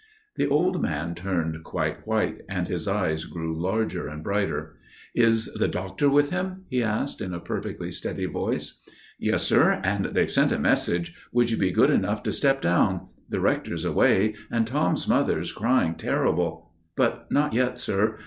The old man turned quite white, and his eyes grew larger and brighter. "Is the doctor with him?" he asked, in a perfectly steady voice. "Yes, sir, and they've sent a message, Would you be good enough to step down? The rector's away, and Tom's mother's crying terrible. But not yet, sir.